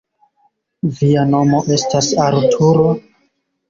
Via nomo estas Arturo?